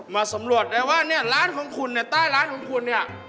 มาสำรวจได้ว่าเนี่ยร้านของคุณเนี่ยใต้ร้านของคุณเนี่ย